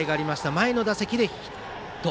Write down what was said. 前の打席でヒット。